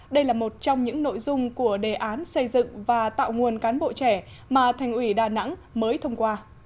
đây là một trong những nội dung của đề án xây dựng và tạo nguồn cán bộ trẻ mà thành ủy đà nẵng mới thông qua